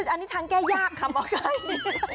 อันนี้ทางแก้ยากค่ะหมอไก่